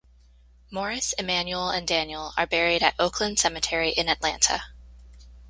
Morris, Emanuel and Daniel are buried at Oakland Cemetery in Atlanta.